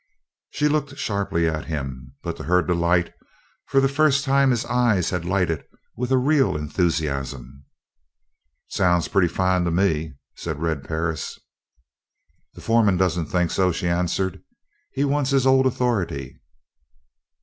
She looked sharply at him, but to her delight for the first time his eyes had lighted with a real enthusiasm. "It sounds pretty fine to me," said Red Perris. "The foreman doesn't think so," she answered. "He wants his old authority."